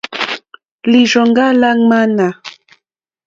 Lírzòŋɡá lá ŋwánà.